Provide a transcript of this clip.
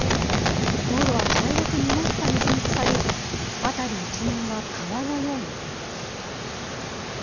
道路は茶色く濁った水につかり、辺り一面は川のように。